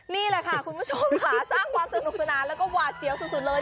นี่แหละค่ะคุณผู้ชมค่ะสร้างความสนุกสนานแล้วก็หวาดเสียวสุดเลย